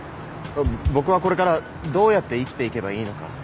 僕はこれからどうやって生きていけばいいのか。